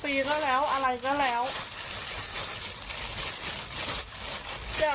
พุ่งนี้ค่อยว่ากันใหม่นะฮะ